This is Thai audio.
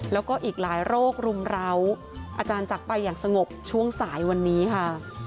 แล้วก็อีกหลายโรครุมร้าวอาจารย์จักรไปอย่างสงบช่วงสายวันนี้ค่ะ